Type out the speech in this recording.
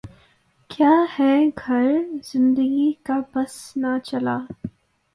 کیا ہے گر زندگی کا بس نہ چلا